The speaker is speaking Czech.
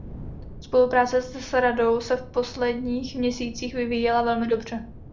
Spolupráce s Radou se v posledních měsících vyvíjela velmi dobře.